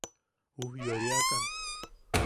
Ujyoiriakan.